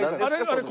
あれ？